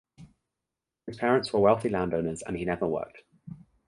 His parents were wealthy landowners and he never worked.